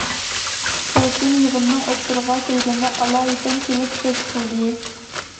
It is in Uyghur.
پۇتىن يىغىننىڭ ئوتتۇرىغا كەلگەندە، ئالايىتەن كېلىپ سۆز قىلدى.